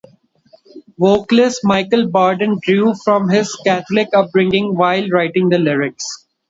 Vocalist Michael Berdan drew from his Catholic upbringing while writing the lyrics.